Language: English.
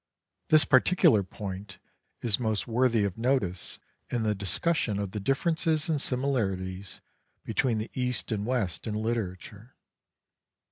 This particular point is most worthy of notice in the discussion of the differences and similarities between the East and West in literature.